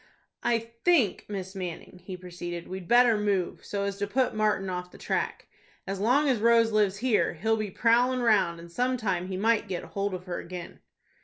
"I think, Miss Manning," he proceeded, "we'd better move, so as to put Martin off the track. As long as Rose lives here, he'll be prowling round, and some time he might get hold of her again."